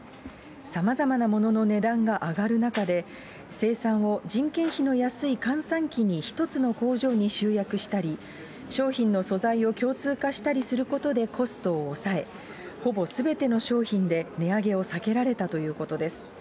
さまざまなものの値段が上がる中で、生産を人件費の安い閑散期に一つの工場に集約したり、商品の素材を共通化したりすることでコストを抑え、ほぼすべての商品で値上げを避けられたということです。